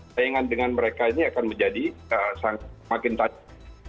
tayangan dengan mereka ini akan menjadi semakin tajam